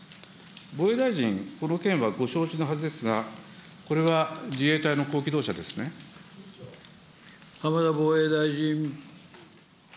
防衛大臣、この件はご承知のはずですが、浜田防衛大臣。